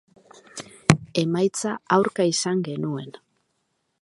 Emaitza aurka izan genuen.